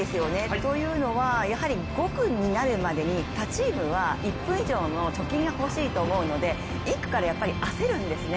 というのは５区になるまでに、他チームは１分以上の貯金が欲しいと思うので１区から焦るんですよね。